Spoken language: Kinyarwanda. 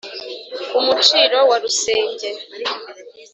Ku Muciro wa Rusenge